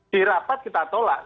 di rapat kita tolak